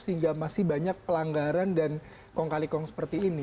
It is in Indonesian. sehingga masih banyak pelanggaran dan kong kali kong seperti ini